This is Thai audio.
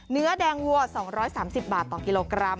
เนื้อแดงวัว๒๓๐บาทต่อกิโลกรัม